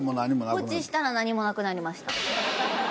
放置したら何もなくなりました。